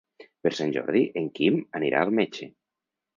Per Sant Jordi en Quim anirà al metge.